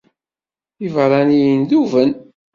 Iberraniyen duben.